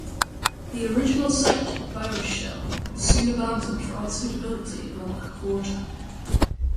The original site at Bayrischzell was soon abandoned for unsuitability and lack of water.